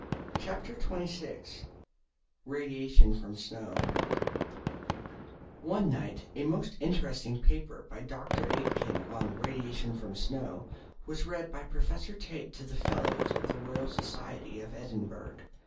CHAPTER XXVI RADIATION FROM SNOW One night a most interesting paper by Dr. Aitken, on "Radiation from Snow," was read by Professor Tait to the Fellows of the Royal Society of Edinburgh.